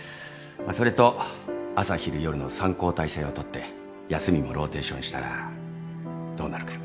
それと朝昼夜の３交代制をとって休みもローテーションしたらどうなるか。